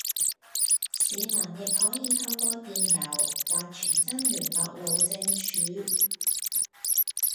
市民亦可透過電郵或傳真聯絡路政署